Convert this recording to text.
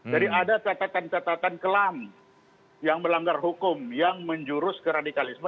ada catatan catatan kelam yang melanggar hukum yang menjurus ke radikalisme